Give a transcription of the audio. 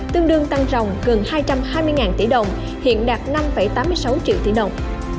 tương đương tăng rồng gần hai trăm hai mươi tỷ đồng hiện đạt năm tám mươi sáu triệu tỷ đồng